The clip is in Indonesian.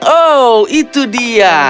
oh itu dia